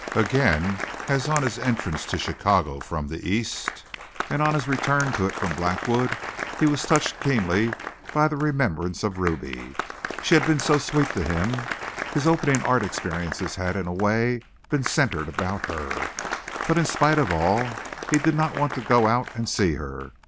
Again as on his entrance to Chicago from the East, and on his return to it from Blackwood, he was touched keenly by the remembrance of Ruby. She had been so sweet to him. His opening art experiences had in a way been centred about her. But in spite of all, he did not want to go out and see her.